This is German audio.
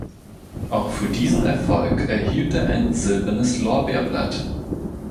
Auch für diesen Erfolg erhielt er ein Silbernes Lorbeerblatt.